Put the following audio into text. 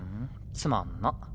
つまんなっ。